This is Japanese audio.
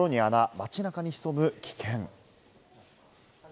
街中に潜む危険。